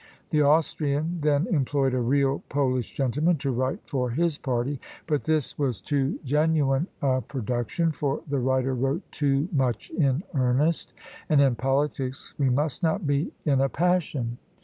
The Austrian then employed a real Polish gentleman to write for his party; but this was too genuine a production, for the writer wrote too much in earnest; and in politics we must not be in a passion.